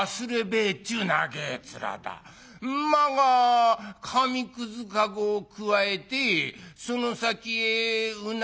馬が紙くずかごをくわえてその先へうなぎぶら下げて」。